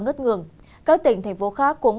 ngất ngưỡng các tỉnh thành phố khác cũng